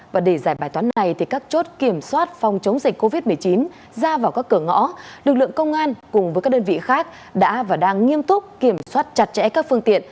và để giải bài toán này các chốt kiểm soát phòng chống dịch covid một mươi chín ra vào các cửa ngõ lực lượng công an cùng với các đơn vị khác đã và đang nghiêm túc kiểm soát chặt chẽ các phương tiện